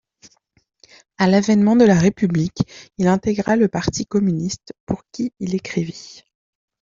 À l'avènement de la république il intégra le parti communiste pour qui il écrivit.